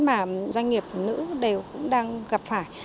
mà doanh nghiệp nữ đều đang gặp phải